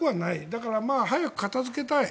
だから早く片付けたい。